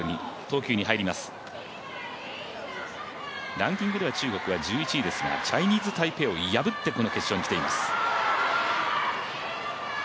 ランキングでは中国は１１位ですが、チャイニーズ・タイペイを破ってこの決勝にきています。